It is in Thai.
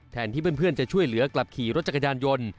ที่เพื่อนจะช่วยเหลือกลับขี่รถจักรยานยนต์